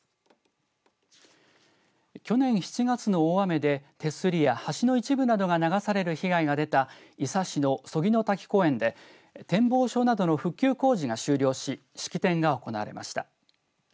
去年７月の大雨で手すりや橋の一部などが流される被害が出た伊佐市の曽木の滝公園で展望所などの復旧工事が終了し式典が行われました。